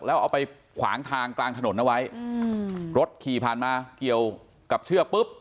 แล้วเอาไปขวางทางกลางถนนเอาไว้อืมรถขี่ผ่านมาเกี่ยวกับเชือกปุ๊บ